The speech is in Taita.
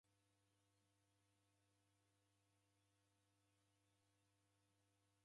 Simerie kudeka na ndoe yaswa!